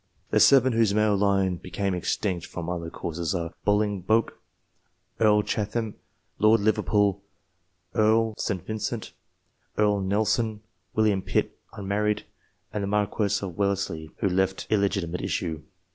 THEIR INFLUENCE UPON RACE 129 The seven whose male line became extinct from other causes are Bolingbroke, Earl Chatham, Lord Liverpool, Earl St. Vincent, Earl Nelson, William Pitt (unmarried), and the Marquess of Wellesley (who left illegitimate issue).